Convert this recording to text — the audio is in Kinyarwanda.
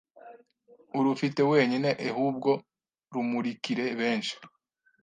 urufite wenyine ehubwo rumurikire benshi,